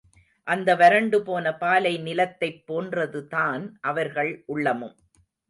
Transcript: அந்த வரண்டுபோன பாலை நிலத்தைப் போன்றதுதான் அவர்கள் உள்ளமும்.